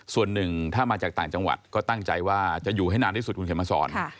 ส่วนหนึ่งถ้ามาจากต่างจังหวัดก็ตั้งใจว่าจะอยู่ให้นานที่สุดคุณเขียนมาสอน